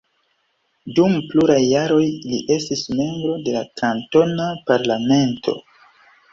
Dum pluraj jaroj li estis membro de la kantona parlamento.